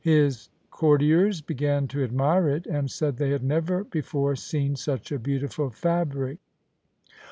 His courtiers began to admire it, and said they had never before seen such a beautiful io6 THE SIKH RELIGION fabric.